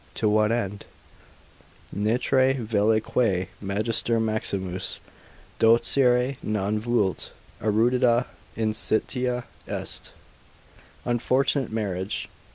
to what end? Nescire velle quae Magister maximus Docere non vult, erudita inscitia est. Unfortunate marriage.